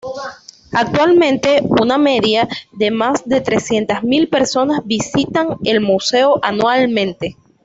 Actualmente, una media de más de trescientas mil personas visitan el museo anualmente.